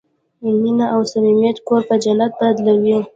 مینه او صمیمیت کور په جنت بدلوي.